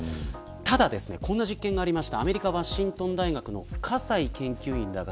ただこんな実験もありました。